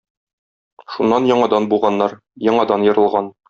Шуннан яңадан буганнар, яңадан ерылган.